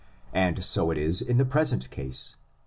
And so it is in the present case.